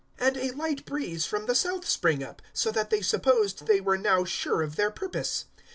027:013 And a light breeze from the south sprang up, so that they supposed they were now sure of their purpose.